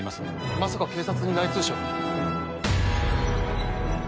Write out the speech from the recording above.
まさか警察に内通者が？